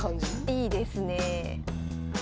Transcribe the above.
いいですねえ。